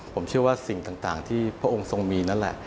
ผมเชื่อว่าสิ่งต่างที่พระองค์ทรงมีนั่นแหละ